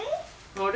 あれ？